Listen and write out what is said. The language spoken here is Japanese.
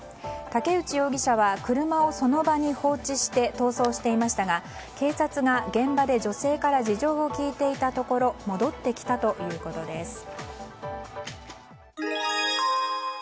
竹内容疑者は車をその場に放置して逃走していましたが警察が現場で女性から事情を聴いていたところ戻ってきたということです。